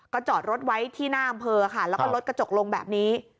จอดรถไว้ที่หน้าอำเภอค่ะแล้วก็ลดกระจกลงแบบนี้